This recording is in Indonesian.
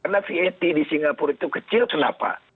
karena vat di singapura itu kecil kenapa